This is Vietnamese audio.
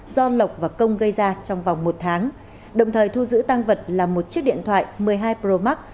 do lộc và công gây ra trong vòng một tháng đồng thời thu giữ tăng vật là một chiếc điện thoại một mươi hai pro max